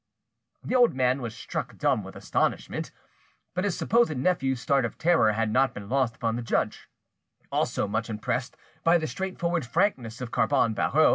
The old man was struck dumb with astonishment. But his supposed nephew's start of terror had not been lost upon the judge, also much impressed by the straightforward frankness of Carbon Barreau.